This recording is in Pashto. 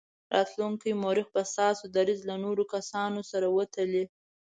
راتلونکی مورخ به ستاسې دریځ له نورو کسانو سره وتلي.